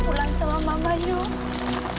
pulang sama mama yuk